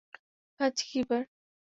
আজ কী বার?